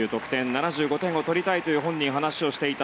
７５点を取りたいという本人、話をしていた。